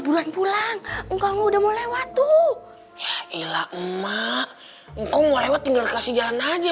buruan pulang engkau udah mau lewat tuh ilah emak engkau mau lewat tinggal kasih jalan aja